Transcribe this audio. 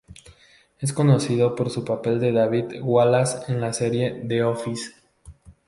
Es conocido por su papel de David Wallace en la serie "The Office".